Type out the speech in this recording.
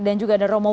dan juga ada romo